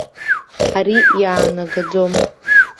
Ари иаанагаӡом.